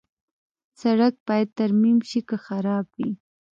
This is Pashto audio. سړک باید ترمیم شي که خراب وي.